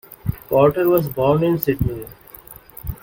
Porter was born in Sydney.